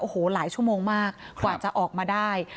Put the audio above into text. โอ้โหหลายชั่วโมงมากกว่าจะออกมาได้